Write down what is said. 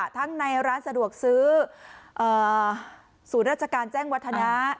ทั้งในร้านสะดวกซื้อศูนย์ราชการแจ้งวัฒนะ